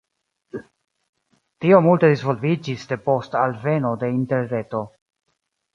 Tio multe disvolviĝis depost alveno de interreto.